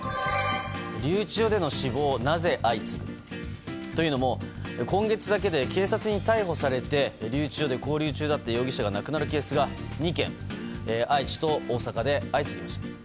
留置場での死亡、なぜ相次ぐ？というのも、今月だけで警察に逮捕されて留置場で勾留中だった容疑者が亡くなるケースが２件愛知と大阪で相次ぎました。